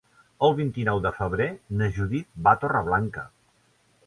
El vint-i-nou de febrer na Judit va a Torreblanca.